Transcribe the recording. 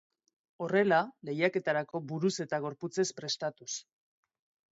Horrela lehiaketarako buruz eta gorputzez prestatuz.